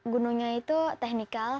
gunungnya itu teknikal